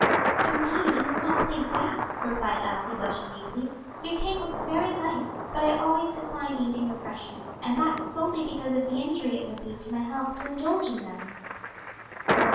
"Indeed you must not think that," replied Elsie, blushing deeply. "Your cake looks very nice, but I always decline evening refreshments; and that solely because of the injury it would be to my health to indulge in them."